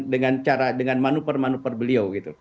dengan cara dengan manuper manuper beliau gitu